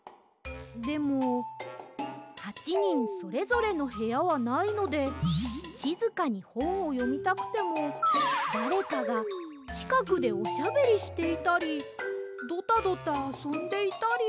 でも８にんそれぞれのへやはないのでしずかにほんをよみたくてもだれかがちかくでおしゃべりしていたりドタドタあそんでいたり。